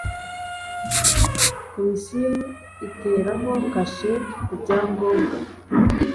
komisiyo iteraho kashe kubyagombwa.